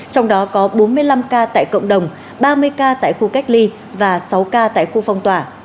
trong đó có bốn mươi năm ca tại cộng đồng ba mươi ca tại khu cách ly và sáu ca tại khu phong tỏa